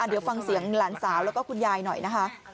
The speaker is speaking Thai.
เดี๋ยวฟังเสียงหลานสาวแล้วก็คุณยายหน่อยนะคะ